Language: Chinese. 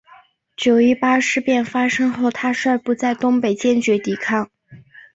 九一八事变发生后他率部在东北坚决抵抗。